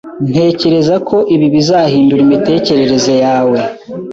Ntekereza ko ibi bizahindura imitekerereze yawe.